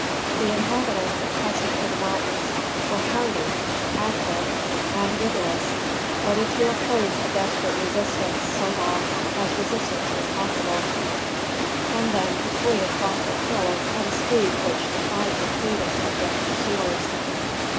The inhabitants, accustomed to the mountains, were hardy, active, and, vigourous, ready to oppose a desperate resistance so long as resistance was possible, and then to flee across their hills at a speed which defied the fleetest of their pursuers.